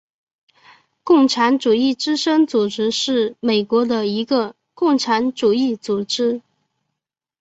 共产主义之声组织是美国的一个共产主义组织。